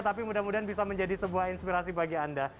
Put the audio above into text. tapi mudah mudahan bisa menjadi sebuah inspirasi bagi anda